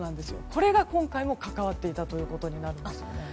これが今回も関わっていたということです。